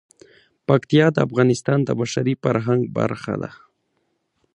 پکتیا د افغانستان د بشري فرهنګ برخه ده.